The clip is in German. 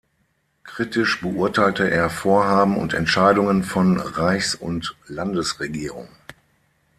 Kritisch beurteilte er Vorhaben und Entscheidungen von Reichs- und Landesregierung.